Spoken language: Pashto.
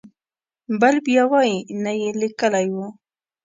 بل بیا وایي نه یې لیکلی و.